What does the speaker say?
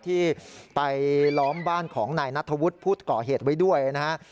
ที่ไปล้อมบ้านของนายนัทธวุฒิผู้ก่อเหตุไว้ด้วยนะฮะ